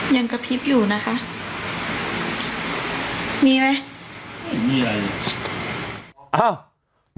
ยังกระพริบอยู่นะคะมีไหม